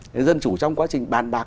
thì dân chủ trong quá trình bàn bạc